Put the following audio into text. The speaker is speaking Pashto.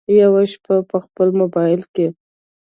یوه شپه په خپل مبایل کې